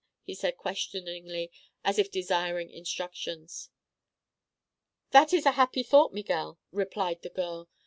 he said, questioningly, as if desiring instructions. "That is a happy thought, Miguel," replied the girl.